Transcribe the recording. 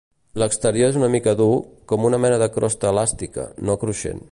L'exterior és una mica dur, com una mena de crosta elàstica, no cruixent.